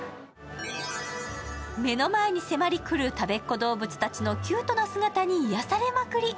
目の前に迫り来るたべっ子どうぶつたちのキュートな姿に癒やされまくり。